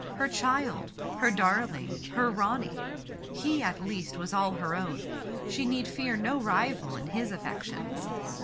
Her child ! Her darling ! Her Ronny ! He, at least, was all her own. She need fear no rival in his affections.